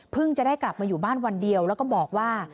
จะได้กลับมาอยู่บ้านวันเดียวแล้วก็บอกว่า